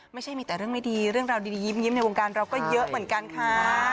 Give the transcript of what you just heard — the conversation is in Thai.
ไม่ใช่มีแต่เรื่องไม่ดีเรื่องราวดียิ้มในวงการเราก็เยอะเหมือนกันค่ะ